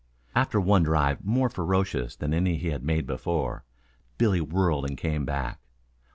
After one drive more ferocious than any he had made before, Billy whirled and came back.